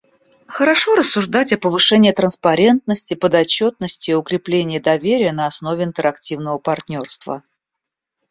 Хорошо рассуждать о повышении транспарентности, подотчетности и укреплении доверия на основе интерактивного партнерства.